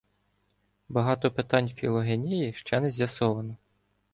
Багато питань філогенії ще не з'ясовано.